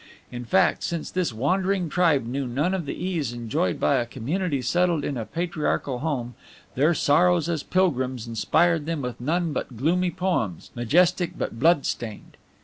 In fact, since this wandering tribe knew none of the ease enjoyed by a community settled in a patriarchal home, their sorrows as pilgrims inspired them with none but gloomy poems, majestic but blood stained.